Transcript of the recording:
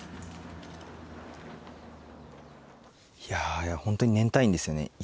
いや本当に年単位ですよね。